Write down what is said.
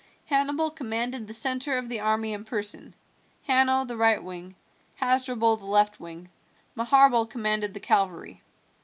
Hannibal commanded the centre of the army in person, Hanno the right wing, Hasdrubal the left wing; Maharbal commanded the cavalry.